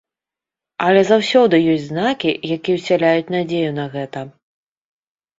Але заўсёды ёсць знакі, якія ўсяляюць надзею на гэта.